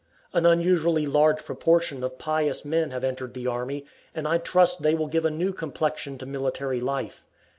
An unusually large proportion of pious men have entered the army, and I trust they will give a new complexion to military life.